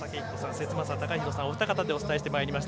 節政貴弘さん、お二方でお伝えしました。